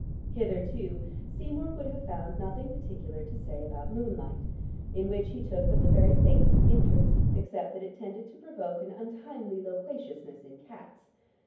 Hitherto, Seymour would have found nothing particular to say about moonlight, in which he took but the very faintest interest, except that it tended to provoke an untimely loquaciousness in cats.